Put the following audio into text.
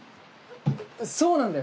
そうなんだよ！